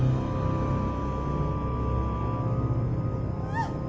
あっ！